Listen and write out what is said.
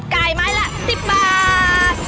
ไก่ไม้ละ๑๐บาท